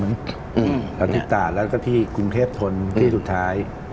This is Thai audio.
แล้วที่ตราศน์แล้วก็ที่กรุงเทพธนฯที่สุดท้าย